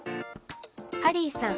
ハリーさん